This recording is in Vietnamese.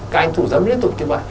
các anh thủ dâm liên tục như vậy